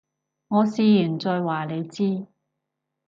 我試完再話你知